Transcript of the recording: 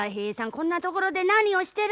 こんなところで何をしてるんじゃい？